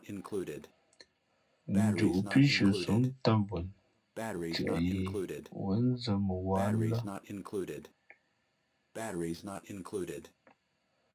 Njoʼ pí nshʉαsǒm ntām wen ntieʼ yi wěn nzᾱ mαwǎ lά.